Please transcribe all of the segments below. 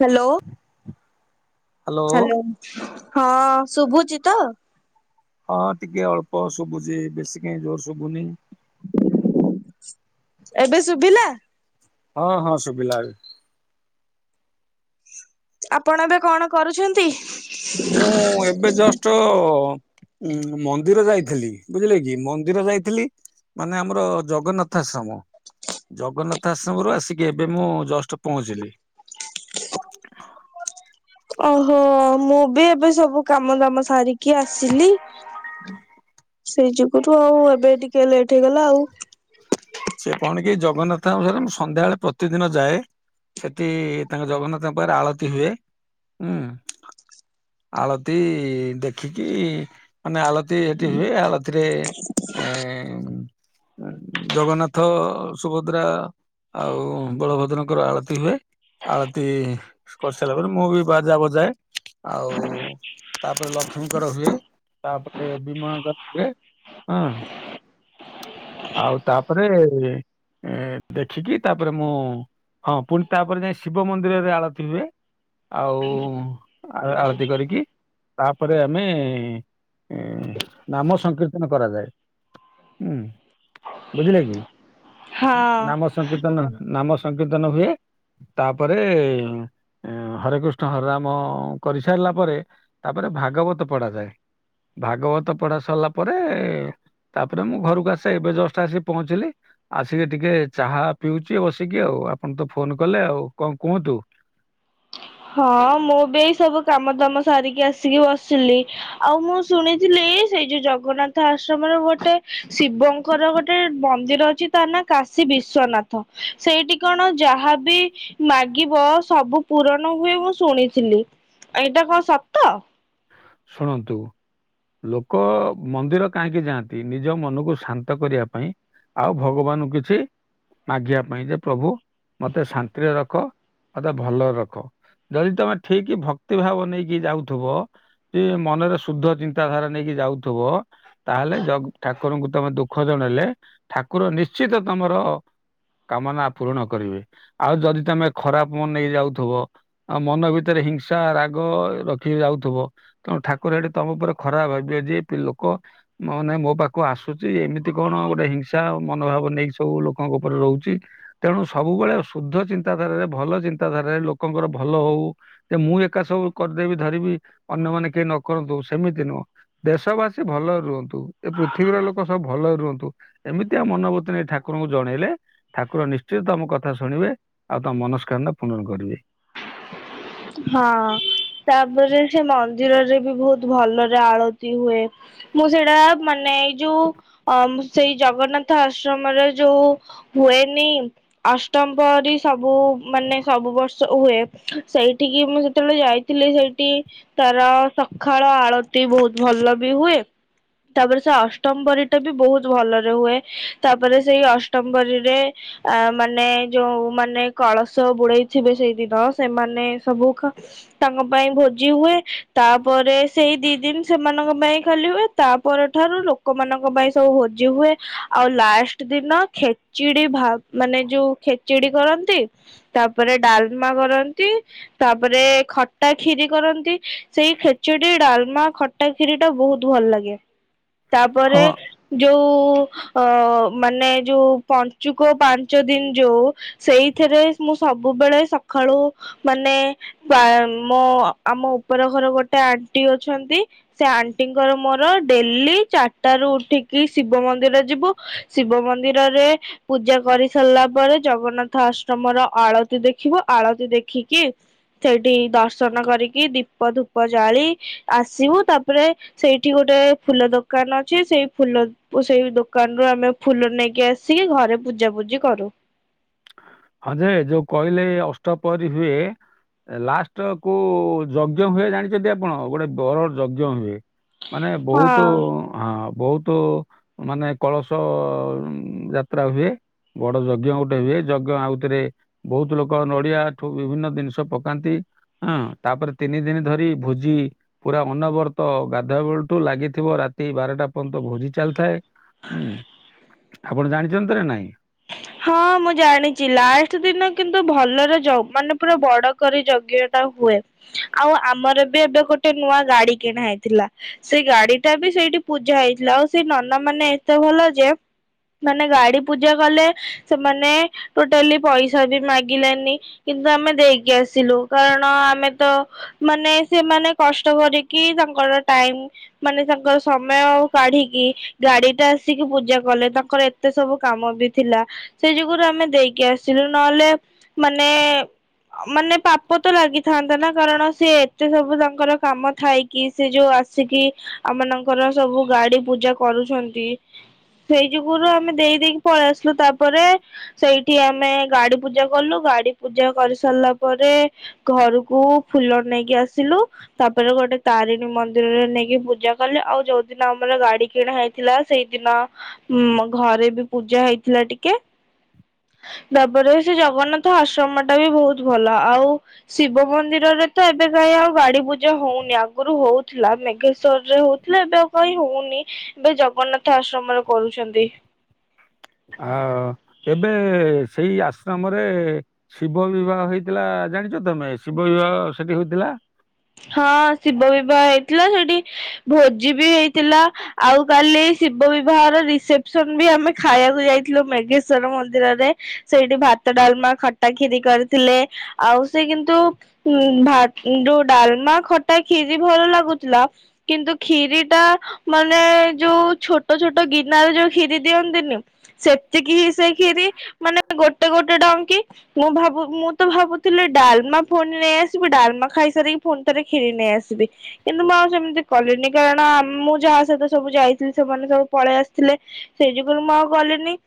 Hello, hello hello, ହଁ ଶୁଭୁଛି ତ? ହଁ ଟିକେ ଅଳ୍ପ ଶୁଭୁଛି ବେଶୀ କାଇଁ ଜୋର ଶୁଭୁନି। ଏବେ ଶୁଭିଲା। ହଁ, ହଁ, ଶୁଭିଲା ଏବେ। ଆପଣ ଏବେ କଣ କରୁଛନ୍ତି। ମୁଁ ଏବେ ଜଷ୍ଟ ମନ୍ଦିର ଯାଇଥିଲି ବୁଝିଲେ କି ମନ୍ଦିର ଯାଇଥିଲି ମାନେ ଆମର ଜଗନ୍ନାଥ ଆଶ୍ରମ! ଜଗନ୍ନାଥ ଆଶ୍ରମରୁ ଆସିକି ଏବେ ମୁଁ ଜଷ୍ଟ ପହଞ୍ଚିଲି। ଓହୋ ମୁଁ ବି ଏବେ ସବୁ କାମ ଦାମ ସାରିକି ଆସିଲି। ସେଇ ଯୁଗୁରୁୁ ଆଉ ଏବେ ଟିକେ ଲେଟ୍ ହେଇଗଲା ଆଉ। ସେ କଣ କି ଜଗନ୍ନାଥଙ୍କ ମ୍ୟାଡ୍‌ମ ମୁଁ ସନ୍ଧ୍ୟାବେଳେ ପ୍ରତିଦିନ ଯାଏ। ସେଠି ତାଙ୍କ ଜଗନ୍ନାଥଙ୍କ ପାଖରେ ଆଳତି ହୁଏ ହୁଁ। ଆଳତି ଦେଖିକି ମାନେ ଆଳତି ସେଠି ହୁଏ ଆଳତିରେ ଏ ଜଗନ୍ନାଥ ସୁଭଦ୍ରା ଆଉ ବଳଭଦ୍ରଙ୍କର ଆଳତି ହୁଏ। ଆଳତିୀ କରିସାରିଲା ପରେ ମୁଁ ବି ବାଜା ବଜାଏ ଆଉ ତାପରେ ଲକ୍ଷ୍ମୀଙ୍କର ହୁଏ ତାପରେ ବିମଳାଙ୍କର ବି ହୁଏ। ହଁ, ଆଉ ତାପରେ ହୁଁ, ଦେଖିକି ତାପରେ ମୁଁ ହଁ ପୁଣି ତାପରେ ଯାଇ ଶିବ ମନ୍ଦିରରେ ଆଳତି ହୁଏ। ଆଉ ଆଳତି କରିକି ତାପରେ ଆମେ ନାମ ସଂକୀର୍ତ୍ତନ କରାଯାଏ। ହୁଁ। ବୁଝିଲେ କି ହଁ ନାମ ସଂକୀର୍ତନ ନାମ ସଂକୀର୍ତ୍ତନ ହୁଏ। ତାପରେ ହରେକୃଷ୍ଣ ହରେ ରାମ କରିସାରିଲା ପରେ ତାପରେ ଭାଗବତ ପଢାଯାଏ। ଭାଗବତ ପଢା ସରିଲା ପରେ ତାପରେ ମୁଁ ଘରକୁ ଆସେ ଏବେ ଜଷ୍ଟ ଆସି ପହଞ୍ଚିଲି। ପହଞ୍ଚିଲେ। ଆସିକି ଟିକେ ଚାହା ପିଉଛି ବସିକି ଆଉ ଆପଣ ତ ଫୋନ କଲେ ଆଉ କଣ କୁହନ୍ତୁ? ହଁ ମୁଁ ବି ସବୁ କାମ ଦାମ ସାରିକି ଆସିକି ବସିଲି। ଆଉ ମୁଁ ଶୁଣିଥିଲି ସେଇ ଯୋଉ ଜଗନ୍ନାଥ ଆଶ୍ରମରେ ଗୋଟେ ଶିବଙ୍କ ଙ୍କ ର ଗୋଟେ ମନ୍ଦିର ଅଛି ତା ନା କାଶୀ ବିଶ୍ଵନାଥ ସେଇଠି କଣ ଯାହାବି ମାଗିବ ସବୁ ପୂୁରଣ ହୁଏ ମୁଁ ଶୁଣିଥିଲି ଏଇଟା କଣ ସତ? ଶୁଣନ୍ତୁ। ଲୋକ ମନ୍ଦିର କାହିଁକି ଯାଆନ୍ତି ନିଜ ମନକୁ ଶାନ୍ତ କରିବା ପାଇଁ ଆଉ ଭଗବାନଙ୍କୁଁ କିଛି ମାଗିବା ପାଇଁ ଯେ ପ୍ରଭୁ ମୋତେ ଶାନ୍ତିରେ ରଖ ମୋତେ ଭଲରେ ରଖ। ଯଦି ତମେ ଠିକ ଭକ୍ତିଭାବ ନେଇକି ଯାଉଥିବ ଯିଏ ମନରେ ଶୁଦ୍ଧ ଚିନ୍ତାଧାରା ନେଇକି ଯାଉଥିବ ତାହେଲେ ଯ ଠାକୁରଙ୍କୁ ତମେ ଦୁଃଖ ଜଣେଇଲେ ଠାକୁର ନିଶ୍ଚିତ ତମର କାମନା ପୂରଣ କରିବେ ଆଉ ଯଦି ତମେ ଖରାପ ମନ ନେଇ ଯାଉଥିବ ଆଉ ମନ ଭିତରେ ହିଂସା ରାଗ ରଖିକି ଯାଉଥିବ ତେଣୁ ଠାକୁର ଏଠି ତମ ଉପରେ ଖରାପ ଭାବିବେ ଯେ ଲୋକ ମାନେ ମୋ ପାଖକୁ ଆସୁଛି ଏମିତି କଣ ଗୋଟେ ହିଂସା ମନୋଭାବ ନେଇକ ସବୁ ଲୋକଙ୍କ ଉପରେ ରହୁଛି। ତେଣୁ ସବୁବେଳେ ଶୁଦ୍ଧ ଚିନ୍ତାଧାରାରେ ଭଲ ଚିନ୍ତାଧାରାରେ ଲୋକଙ୍କର ଭଲ ହଉ। ଯେ ମୁଁ ଏକା ସବୁ କରିଦେବି ଧରିବି ଅନ୍ୟମାନେ କେହି ନ କରନ୍ତୁ ସେମିତି ନୁହଁ। ଦେଶ ବାସୀ ଭଲରେ ରୁହନ୍ତୁ ଏ ପୃଥିବୀର ଲୋକ ସବୁ ଭଲରେ ରୁହନ୍ତୁ। ଏମିତି ଆଉ ମନୋବତ ନେଇ ଠାକୁରଙ୍କୁ ଜଣେଇଲେ। ଠାକୁର ନିଶ୍ଚିତ ତମ କଥା ଶୁଣିବେ ଆଉ ତମ ମନସ୍କାମନା ପୂରଣ କରିବେ। ହଁ ତାପରେ ସେ ମନ୍ଦିରରେ ବି ବହୁତ ଭଲରେ ଆଳତି ହୁଏ। ମୁଁ ସେଇଟା ମାନେ ଏଇ ଯୋଉ ଅ ସେଇ ଜଗନ୍ନାଥ ଆଶ୍ରମରେ ଯୋଉ ହୁଏନି। ଅଷ୍ଟମ ପରି ସବୁ ମାନେ ସବୁ ବର୍ଷ ହୁଏ। ସେଇ ଏଠିକି ମୁଁ ଯେତେବେଳେ ଯାଇଥିଲି ସେଇଠି ତାର ସକାଳ ଆଳ ଟି ବହୁତ ଭଲ ବି ହୁଏ ତାପରେ ସେ ଅଷ୍ଟମ ପରି ଟା ବି ବହୁତ ଭଲରେ ହୁଏ। ତାପରେ ସେଇ ଅଷ୍ଟମ ପାରିରେ ଆ ମାନେ ଯୋଉମାନେ କଳସ ବୁଡେଇଥିବେ ସେଇଦିନ ସେମାନେ ସବୁ ତାଙ୍କ ପାଇଁ ଭୋଜି ହୁଏ ତାପରେ ସେଇ ଦି ଦିନ୍‌ ସେମାନଙ୍କ ପାଇଁ ଖାଲି ହୁଏ। ତା ପରଠାରୁ ଲୋକମାନଙ୍କ ପାଇଁ ସବୁ ହୋଜି ହୁଏ। ଆଉ ଲାଷ୍ଟ ଦିନ ଖେଚିଡି ଭା ମାନେ ଯୋଉ ଖେଚିଡି କରନ୍ତି। ତାପରେ ଡାଲମା କରନ୍ତି। ତାପରେ ଖଟା ଖିରି କରନ୍ତି। ସେଇ ଖେଚୁଡି ଡାଲମା ଖଟା ଖିରି ଟା ବହୁତ ଭଲ ଲାଗେ। ତାପରେ ହଁ ଯୋଉ ଅ ମାନେ ଯୋଉ ପଞ୍ଚୁକ ପାଞ୍ଚ ଦିନ୍‌ ଯୋଉ ସେଇଥିରେ ମୁଁ ସବୁବେଳେ ସଖାଳୁ ମାନେ ପାଏ ମୋ ଆମ ଉପର ଘର ଗୋଟେ ଆଣ୍ଟି ଅଛନ୍ତି ସେ ଆଣ୍ଟିଙ୍କର ମୋର ଡେଲି ଚାରିଟାରୁ ଉଠିକି ଶିବ ମନ୍ଦିର ଯିବୁ ଶିବ ମନ୍ଦିରରେ ପୂଜା କରି ସାରିଲା ପରେ ଜଗନ୍ନାଥ ଆଶ୍ରମର ଆଳତୀ ଦେଖିବ ଆଳତୀ ଦେଖିକି ସେଇଠି ଦର୍ଶନ କରିକି ଦୀପ ଧୂପ ଜାଳି ଆସିବୁ ତାପରେ ସେଇଠି ଗୋଟେ ଫୁଲ ଦୋକାନ ଅଛି ସେଇ ଫୁଲ କୁ ସେଇ ଦୋକାନରୁୁ ଆମେ ଫୁଲ ନେଇକି ଆସିକି ଘରେ ପୂଜା ପୂଜି କରୁ। ହଁ ଯେ ଯୋଉ କହିଲେ ଅଷ୍ଟପହରି ହୁଏ ଲାଷ୍ଟ କୋଉ ଯଜ୍ଞ ହୁଏ ଜାଣିଛନ୍ତି ଆପଣ ଗୋଟେ ବର ଯଜ୍ଞ ହୁଏ? ମାନେ ହଁ ବହୁତ ହଁ ବହୁତ ମାନେ କଳସ ଯାତ୍ରା ହୁଏ। ବଡ଼ ଯଜ୍ଞ ଗୋଟେ ହୁଏ ଯ ଜ୍ଞ ଆଉଥିରେ ବହୁତ ଲୋକ ନଡିଆ ଠୁ ବିଭିନ୍ନ ଜିନିଷ ପକାନ୍ତି ହଁ ତାପରେ ତିନି ଦିନ ଧରି ଭୋଜି ପୁରା ଅନବର୍ତ ଗାଧୁଆ ବେଳଠୁ ଲାଗିଥିବ ରାତି ବାରଟା ପର୍ଯ୍ୟନ୍ତ ଭୋଜି ଚାଲିଥାଏ। ହୁଁ ଆପଣ ଜାଣିଛନ୍ତି ତରେ ନାଇଁ? ହଁ ମୁଁ ଜାଣିଚି ଲାଷ୍ଟ ଦିନ କିନ୍ତୁ ଭଲରେ ଯ ମାନେ ପୁରା ବଡ଼ କରି ଯଜ୍ଞ ଟା ହୁଏ ଆଉ ଆମର ବି ଏବେ ଗୋଟେ ନୂଆ ଗାଡି କିଣା ହେଇଥିଲା। ସେଇ ଗାଡି ଟା ବି ସେଇଠି ପୂଜା ହେଇଥିଲା ଆଉ ସେଇ ନନା ମାନେ ଏତେ ଭଲ ଯେ ମାନେ ଗାଡି ପୂଜା କଲେ ସେମାନେ ଟୋଟାଲି ପଇସା ବି ମାଗିଲେନି କିନ୍ତୁ ଆମେ ଦେଇକି ଆସିଲୁ କାରଣ ଆମେ ତ ମାନେ ସେମାନେ କଷ୍ଟ କରିକି ତାଙ୍କର ଟାଇମ୍ ମାନେ ତାଙ୍କର ସମୟ ଆ କାଢିକି ଗାଡି ଟା ଆସିକି ପୂଜା କଲେ ତାଙ୍କର ଏତେ ସବୁ କାମ ବି ଥିଲା ସେ ଯୁଗରୁ ଆମେ ଦେଇକି ଆସିଲୁ ନହେଲେ ମାନେ ଅ ମାନେ ପାପ ତ ଲାଗିଥାନ୍ତା ନା କାରଣ ସେ ଯୋଉ ସବୁ ତାଙ୍କର କାମ ଥାଇକି ସେ ଯୋଉ ଆସିକି ଆମ ମାନଙ୍କର ସବୁ ଗାଡି ପୂଜା କରୁଛନ୍ତି ସେଇ ଯୁଗରୁ ଆମେ ଦେଇ ଦେଇକି ପଳେଇ ଆସିଲୁ ତାପରେ ସେଇଠି ଆମେ ଗାଡି ପୂଜା କଲୁ ଗାଡି ପୂଜା କରି ସାରିଲା ପରେ ଘରକୁ ଫୁଲ ନେଇକି ଆସିଲୁ ତାପରେ ଗୋଟେ ତାରିଣୀ ମନ୍ଦିରରେ ନେଇକି ପୂଜା କଲେ ଆଉ ଯୋଉଦିନ ଆମର ଗାଡି କିଣା ହେଇ ଥିଲା ସେଇଦିନ ମ ଘରେ ବି ପୂଜା ହେଇ ଥିଲା ଟିକେ। ତାପରେ ବି ସେ ଜଗନ୍ନାଥ ଆଶ୍ରମ ଟା ବି ବୁହୁତ୍ ଭଲ ଆଉ ଶିବ ମନ୍ଦିରରେ ତ ଏବେ କାଇଁ ଆଉ ଗାଡ଼ି ପୂଜା ହଉନି ଆଗରୁ ହଉଥିଲା। ମେଘେଶ୍ୱରରେ ହଉ ହେଲେ ଏବେ ଆଉ କାଇଁ ହଉନି। ଏବେ ଜଗନ୍ନାଥ ଆଶ୍ରମରେ କରୁଛନ୍ତି। ଆଓ ଏବେ ସେଇ ଆଶ୍ରମରେ ଶିବ ବିବାହ ହେଇଥିଲା ଜାଣିଛ ତମେ? ଶିବ ବିବାହ ସେଠି ହୋଇଥିଲା। ହଁ ଶିବ ବିବାହ ହେଇଥିଲା ସେଠି ଭୋଜି ବି ହେଇଥିଲା। ଆଉ କାଲି ଶିବ ବିବାହର ରିସେପସନ ବି ଆମେ ଖାଇଆକୁ ଯାଇଥିଲୁ ମେଘେଶ୍ଵର ମନ୍ଦିରରେ। ସେଇଠି ଭାତ, ଡାଲମା, ଖଟା, କ୍ଷୀରି କରିଥିଲେ। ଆଉ ସେ କିନ୍ତୁ ଉଁ ଭାତ ଉଁ ଦୋଉ ଡାଲମା, ଖଟା, କ୍ଷୀରି ଭଲ ଲାଗୁଥିଲା। କିନ୍ତୁ କ୍ଷୀରି ଟା ମାନେ ଯୋଉ ଛୋଟ ଛୋଟ ଗିନାରେ ଯୋଉ କ୍ଷୀରି ଦିଅନ୍ତିନି। ସେତିକି ହିଁ ସେ କ୍ଷୀରି ମାନେ ଗୋଟେ ଗୋଟେ ଡଙ୍କି। ମୁଁ ଭାବୁ ମୁଁ ତ ଭାବୁଥିଲି ଡାଲମା ଫୁଣି ନେଇ ଆସିବି ଡାଲମା ଖାଇସାରି ପୁଣି ଥରେ କ୍ଷୀରି ନେଇ ଆସିବି। କିନ୍ତୁ ମୁଁ ଆଉ ସେମିତି କଲିନି କାରଣ ମୁଁ ଯାହା ସହିତ ସବୁ ଯାଇଥିଲି ସେମାନେ ସବୁ ପଳେଇ ଆସିଥିଲେ ସେଇଥିପାଇଁ ମୁଁ ଆଉ ଗଲିନି।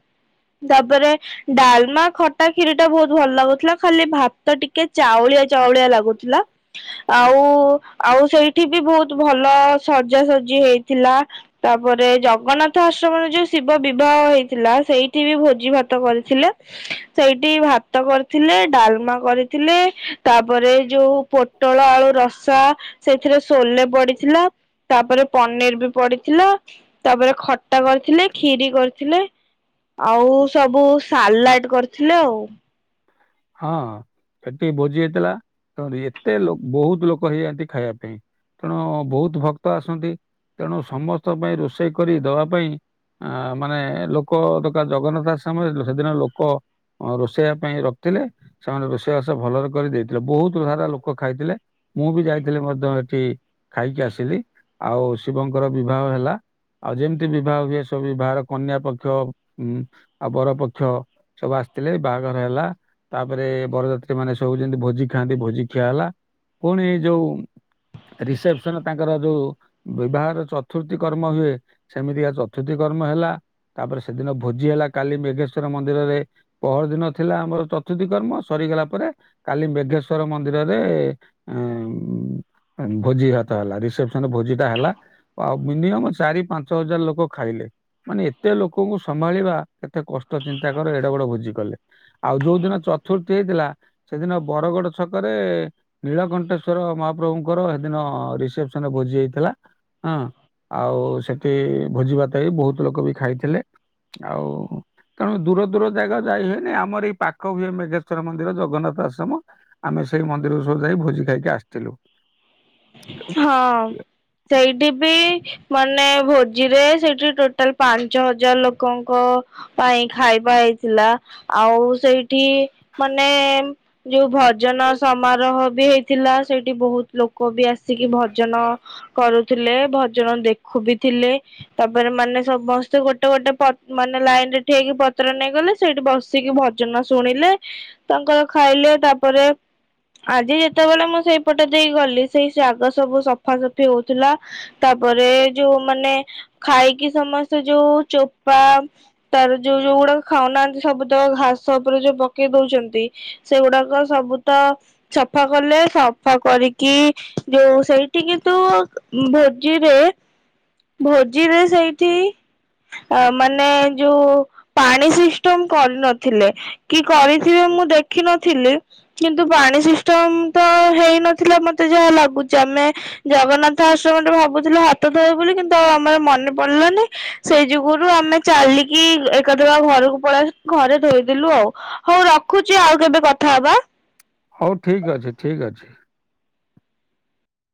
ଦାପରେ ଡାଲମା, ଖଟା, କ୍ଷୀରିଟା ବହୁତ ଭଲ ଲାଗୁ ଥିଲା ଖାଲି ଭାତ ଟିକେ ଚାଉଳିଆ ଚାଉଳିଆ ଲାଗୁଥିଲା। ଆଉ ଆଉ ସେଇଠି ବି ବହୁତ ଭଲ ସଜାସଜି ହେଇଥିଲା ତାପରେ ଜଗନ୍ନାଥ ଆଶ୍ରମରେ ଯେଉ ଶିବ ବିବାହ ହେଇଥିଲା ସେଇଠି ବି ଭୋଜି ଭାତ କରିଥିଲେ। ସେଇଠି ଭାତ କରିଥିଲେ ଡାଲମା କରିଥିଲେ ତାପରେ ଏଇ ଯୋଉ ପୋ ଳ ଆଳୁ ରସା ସେଥିରେ ସୋଲେ ପଡ଼ିଥିଲା ତାପରେ ପନିର ବି ପଡ଼ିଥିଲା। ତାପରେ ଖଟା କରିଥିଲି କ୍ଷୀରି କରିଥିଲେ। ଆଉ ସବୁ ସାଲାଟ୍ କରିଥିଲେ ଆଉ। ହଁ ହେଟି ଭୋଜି ହେଇଥିଲା ତର ଏତେ ଲୋ ବହୁତ ଲୋକ ହେଇଯାଆନ୍ତି ଖାଇବା ପାଇଁ। ତେଣୁ ବହୁତ ଭକ୍ତ ଆସନ୍ତି ତେଣୁ ସମସ୍ତଙ୍କ ପାଇଁ ରୋଷେଇ କରି ଦବା ପାଇଁ ଆ ମାନେ ଲୋକ ଦୋକ ଜଗନ୍ନାଥ ଆଶ୍ରମରେ ହେଦିନ ଲୋକ ଅ ରୋଷେଇବା ପାଇଁ ରଖିଥିଲେ ସେମାନେ ରୋଷେଇବାସ ଭଲରେ କରି ଦେଇଥିଲେ ବହୁତ ସାରା ଲୋକ ଖାଇଥିଲେ ମୁଁ ବି ଯାଇଥିଲି ମଧ୍ୟ ହେଟି ଖାଇକି ଆସିଲି ଆଉ ଶିବଙ୍କର ବିବାହ ହେଲା ଆଉ ଯେମିତି ବିବାହ ହୁଏ ସବୁ ବିବାହର କନ୍ୟା ପକ୍ଷ ଉଁ ଆଉ ବର ପକ୍ଷ ସବୁ ଆସିଥିଲେ ବାହାଘର ହେଲା ତାପରେ ବରଯାତ୍ରୀ ମାନେ ସବୁ ଯେମିତି ଭୋଜି ଖାଆନ୍ତି ଭୋଜି ଖିଆ ହେଲା। ପୁଣି ଯୋଉ ରିସେପସନ ତାଙ୍କର ଯୋଉ ବିବାହର ଚତୁର୍ଥୀ କର୍ମ ହୁଏ ସେମିତିକା ଚତୁର୍ଥୀ କର୍ମ ହେଲା ତାପରେ ସେଦିନ ଭୋଜି ହେଲା କାଲି ମେଘେଶ୍ଵର ମନ୍ଦିରରେ ପହର ଦିନ ଥିଲା ଆମର ଚ ଚୁଦି କର୍ମ ସରିଗଲା ପରେ କାଲି ମେଘେଶ୍ଵର ମନ୍ଦିରରେ ଉଁ ଉଁ ଭୋଜି ଭାତ ହେଲା। ରିସେପସନରେ ଭୋଜି ଟା ହେଲା ଆଉ ମିନିମମ୍ ଚାରି ପାଞ୍ଚ ହଜାର ଲୋକ ଖାଇଲେ। ମାନେ ଏତେ ଲୋକଙ୍କୁ ସମ୍ଭାଳିବା କେତେ କଷ୍ଟ ଚିନ୍ତା କରେ ଏଡ଼େ ବଡ଼ ଭୋଜି କଲେ। ଆଉ ଯୋଉ ଦିନ ଚତୁର୍ଥୀ ହେଇଥିଲା ସେଦିନ ବରଗଡ଼ ଛକରେ ନୀଳକଣ୍ଠେଶ୍ଵର ମହାପ୍ରଭୁଙ୍କର ହେଦିନ ରିସେପସନ ଭୋଜି ହୋଇଥିଲା ହଁ ଆଉ ସେଠି ଭୋଜି ଭାତ ହେଇ ବହୁତ ଲୋକ ବି ଖାଇଥିଲେ। ଆଉ ତେଣୁ ଦୂର ଦୂର ଜାଗା ଯାଇ ହୁଏନି ଆମର ଏଇ ପା ଏକ ହୁଏ ମେଘେଶ୍ଵର ମନ୍ଦିର ଜଗନ୍ନାଥ ଆଶ୍ରମ ଆମେ ସେଇ ମନ୍ଦିର ସବୁ ଯାଇ ଭୋଜି ଖାଇକି ଆସିଥିଲୁ। ହଁ। ସେଇଟି ବି ମାନେ ଭୋଜିରେ ସେଇଠି ଟୋଟାଲ ପାଞ୍ଚ ହଜାର ଲୋକଙ୍କ ପାଇଁ ଖାଇବା ହେଇଥିଲା, ଆଉ ସେଇଠି ମାନେ ଯୋଉ ଭଜନ ସମାରୋହ ବି ହେଇଥିଲା ସେଇଟି ବହୁତ ଲୋକ ବି ଆସିକି ଭଜନ କରୁଥିଲେ ଭଜନ ଦେଖୁ ବି ଥିଲେ। ତାପରେ ମାନେ ସମସ୍ତେ ଗୋଟେ ଗୋଟେ ପ ମାନେ ଲାଇନ ରେ ଠିଆ ହେଇକି ପତ୍ର ନେଇଗଲେ। ସେଇଠି ବସିକି ଭଜନ ଶୁଣିଲେ ତାଙ୍କର ଖାଇଲେ ତାପରେ ଆଜି ଯେତେବେଳେ ମୁଁ ସେଇପଟ ଦେଇ ଗଲି ସେଇ ଶାଗ ସବୁ ସଫାସଫି ହଉଥିଲା। ତାପରେ ଯୋଉ ମାନେ ଖାଇକି ସମସ୍ତେ ଯୋଉ ଚୋପା ତାର ଯୋଉ ଯୋଉ ଗୁଡାକ ଖାଉନାହାନ୍ତି ସବୁ ତକ ଘାସ ଉପରେ ଯୋଉ ପକେଇ ଦଉଛନ୍ତି। ସେଉଡାକ ସବୁ ତ ସଫା କଲେ ସଫା କରିକି ଯୋଉ ସେଇଠୀ କିନ୍ତୁ ଭୋଜିରେ ଭୋଜିରେ ସେଇଠି ଆ ମାନେ ଯୋଉ ପାଣି ସିଷ୍ଟମ କରିନଥିଲେ। କି କରିଥିବେ ମୁଁ ଦେଖିନଥିଲି କିନ୍ତୁ ପାଣି ସିଷ୍ଟମ ତ ହେଇନଥିଲା ମତେ ମୋତେ ଯାହା ଲାଗୁଚି, ଆମେ ଜଗନ୍ନାଥ ଆଶ୍ରମରେ ଭାବୁଥିଲୁ ହାତ ଧୋଇ ହବୁ ବୋଲି କିନ୍ତୁ ଆଉ ଆମର ମନେ ପଡିଲାନି। ସେଇ ଯୋଗୁରୁ ଆମେ ଚାଲିକି ଏକାଥରେ ଘରକୁ ପଳେଇଆ ଘରେ ଧୋଇଦେଲୁ ଆଉ। ହଉ ରଖୁଚି ଆଉ କେବେ କଥା ହବା। ହଉ ଠିକ୍ ଅଛି, ଠିକ୍ ଅଛି।